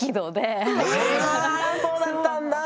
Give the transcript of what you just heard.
あそうだったんだ。